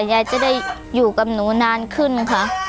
ยายจะได้อยู่กับหนูนานขึ้นค่ะ